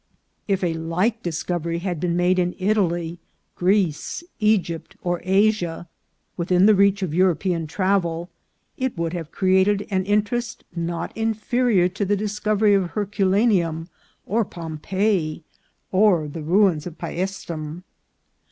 If a like discovery had been made in Italy, Greece, Egypt, or Asia, within the reach of European travel, it would have created an interest not inferior to the discovery of Herculaneum, or Pompeii, or the ruins of Paestum.